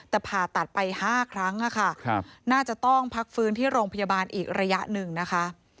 แต่ผ่าตัดไป๕ครั้งน่าจะต้องพักฟื้นที่โรงพยาบาลอีกระยะหนึ่งนะคะ